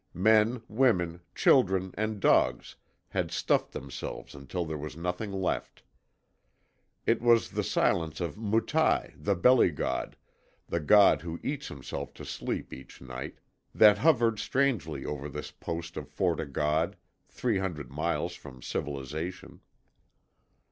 Men, women, children, and dogs had stuffed themselves until there was nothing left. It was the silence of Mutai the "belly god" the god who eats himself to sleep each night that hovered strangely over this Post of Fort O' God, three hundred miles from civilization.